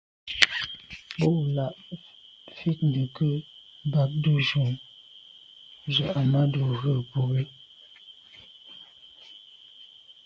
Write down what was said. Bú lá' gə́ fít nə̀ lɑgdə̌ jú zə̄ Ahmadou rə̂ bú.